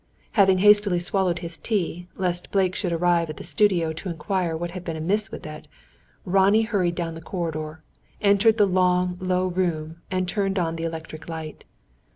Having hastily swallowed his tea, lest Blake should arrive at the studio to inquire what had been amiss with it, Ronnie hurried down the corridor, entered the long, low room, and turned on the electric light.